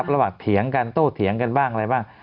ระหว่างเถียงกันโต้เถียงกันบ้างอะไรบ้าง